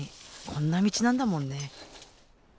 こんな道なんだもんね。